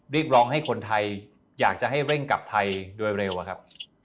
เรียกร้องให้คนไทยอยากจะให้เร่งกลับไทยโดยเร็วอะครับ